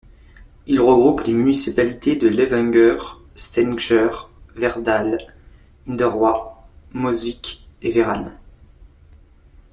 Il regroupe les municipalités de Levanger, Steinkjer, Verdal, Inderøy, Mosvik et Verran.